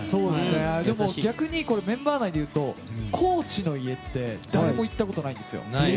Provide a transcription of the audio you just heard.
逆にメンバー内でいうと高地の家って誰も行ったことないんですよ。